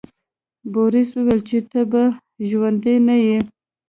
بوریس وویل چې ته به ژوندی نه یې.